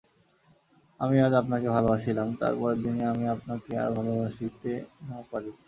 আমি আজ আপনাকে ভালবাসিলাম, তার পরদিনই আমি আপনাকে আর ভালবাসিতে নাও পারি।